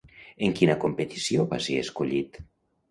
En quina competició va ser escollit?